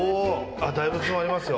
あっ、大仏もありますよ。